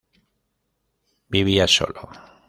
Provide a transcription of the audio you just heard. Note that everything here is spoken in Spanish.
Vivía solo.